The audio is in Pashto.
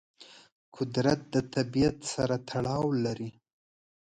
قدرت د طبیعت سره تړاو لري.